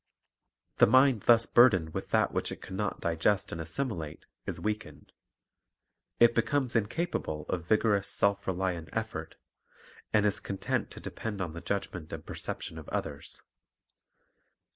The mind thus burdened with that which it can not digest and assimi late is weakened; it becomes incapable of vigorous, self reliant effort, and is content to depend on the judgment and perception of others.